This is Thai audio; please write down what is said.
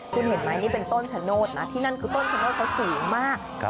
คุณเห็นไหมนี่เป็นต้นชะโนธนะที่นั่นคือต้นชะโนธเขาสูงมาก